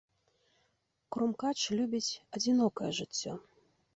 Крумкач любіць адзінокае жыццё.